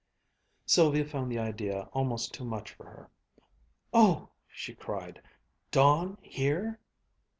Sylvia found the idea almost too much for her. "Oh!" she cried "dawn here!"